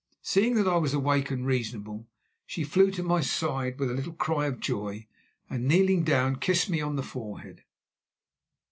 Seeing that I was awake and reasonable, she flew to my side with a little cry of joy, and, kneeling down, kissed me on the forehead.